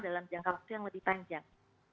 dalam jangka waktu yang lebih panjang